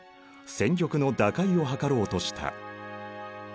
戦局の打開を図ろうとした。